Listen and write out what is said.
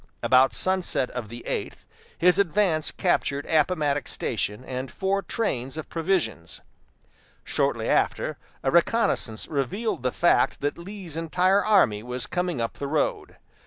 About sunset of the eighth, his advance captured Appomattox Station and four trains of provisions. Shortly after, a reconnaissance revealed the fact that Lee's entire army was coming up the road.